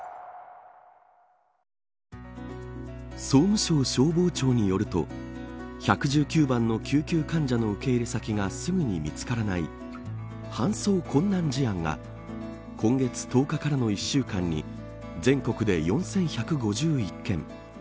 総務省消防庁によると１１９番の救急患者の受け入れ先がすぐに見つからない搬送困難事案が今月１０日からの１週間に全国で４１５１件。